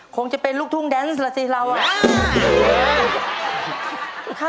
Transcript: คงจะเป็นลูกทุ่งแดนซ์แหละสิเรา